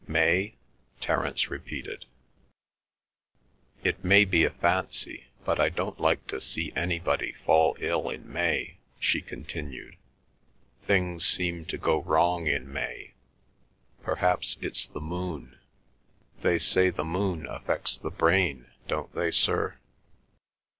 "May?" Terence repeated. "It may be a fancy, but I don't like to see anybody fall ill in May," she continued. "Things seem to go wrong in May. Perhaps it's the moon. They say the moon affects the brain, don't they, Sir?"